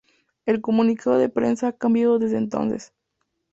El comunicado de prensa ha cambiado desde entonces.